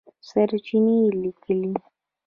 سرچېنې لیکلي